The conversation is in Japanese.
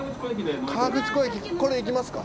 河口湖駅これ行きますか？